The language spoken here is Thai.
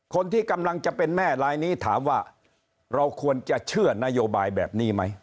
คนที่กำลังจะเป็นแม่ลายนี้ถามว่าเราควรจะเชื่อนโยบายแบบนี้ไหม